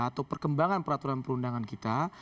atau perkembangan peraturan perundangan kita